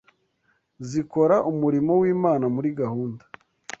zikora umurimo w’Imana muri gahunda